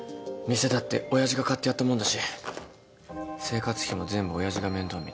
店だって親父が買ってやったもんだし生活費も全部親父が面倒見てる。